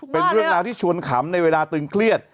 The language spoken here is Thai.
เป็นเรื่องราวที่ชวนขำในเวลาตึงเครียด